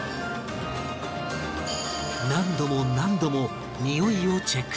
何度も何度もにおいをチェック